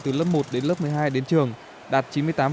từ lớp một đến lớp một mươi hai đến trường đạt chín mươi tám